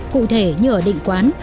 cụ thể như ở định quán